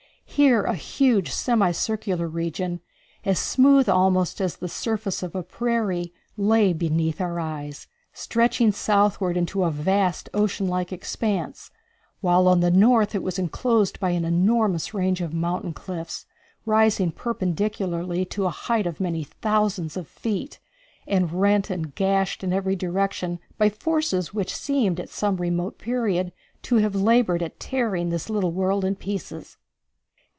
Here a huge semi circular region, as smooth almost as the surface of a prairie, lay beneath our eyes, stretching southward into a vast ocean like expanse, while on the north it was enclosed by an enormous range of mountain cliffs, rising perpendicularly to a height of many thousands of feet, and rent and gashed in every direction by forces which seemed at some remote period to have labored at tearing this little world in pieces.